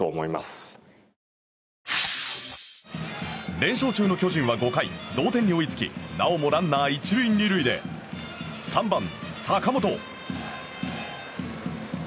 連勝中の巨人は５回、同点に追いつきなおもランナー１塁２塁で３番、坂本。